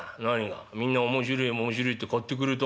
みんな面白え面白えって買ってくれた？